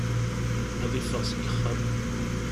Ad iffeɣ seg uxxam.